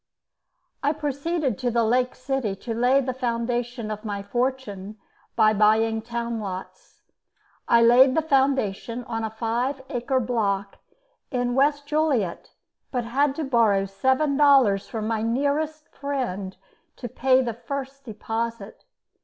I proceeded to the Lake City to lay the foundation of my fortune by buying town lots. I laid the foundation on a five acre block in West Joliet, but had to borrow seven dollars from my nearest friend to pay the first deposit.